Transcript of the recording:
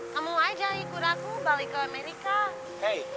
kamu aja ikut aku balik ke amerika